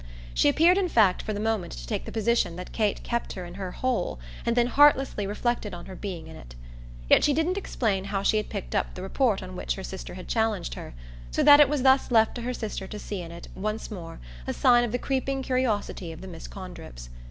She appeared in fact for the moment to take the position that Kate kept her in her "hole" and then heartlessly reflected on her being in it. Yet she didn't explain how she had picked up the report on which her sister had challenged her so that it was thus left to her sister to see in it once more a sign of the creeping curiosity of the Miss Condrips.